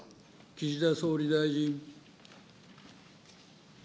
岸田総理大臣。